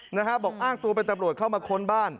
นะฮะบอกอ้างตัวเป็นตำรวจเข้ามาค้นบ้าน